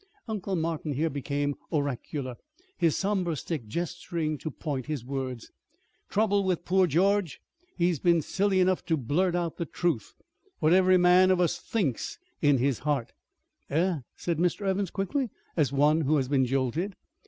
Uncle Martin here became oracular, his somber stick gesturing to point his words. "Trouble with poor George, he's been silly enough to blurt out the truth, what every man of us thinks in his heart " "Eh?" said Mr. Evans quickly, as one who has been jolted.